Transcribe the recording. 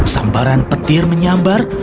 sambaran petir menyambar